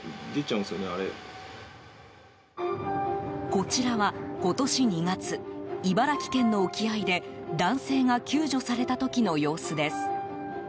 こちらは今年２月茨城県の沖合で男性が救助された時の様子です。